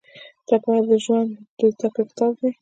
ټپه د ژوند د زده کړې کتاب دی.